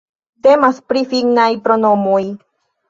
Temas pri finnaj pronomoj.